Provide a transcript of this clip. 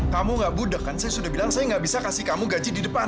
kamu gak budeg kan saya sudah bilang saya nggak bisa kasih kamu gaji di depan